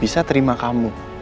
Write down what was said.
bisa terima kamu